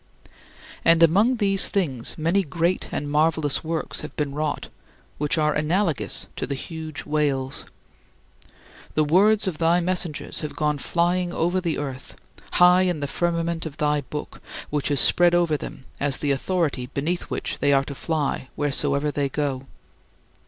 And among these things many great and marvelous works have been wrought, which are analogous to the huge whales. The words of thy messengers have gone flying over the earth, high in the firmament of thy Book which is spread over them as the authority beneath which they are to fly wheresoever they go.